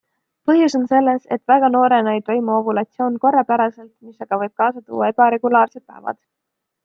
Põhjus on selles, et väga noorena ei toimu ovulatsioon korrapäraselt, mis aga võib kaasa tuua ebaregulaarsed päevad.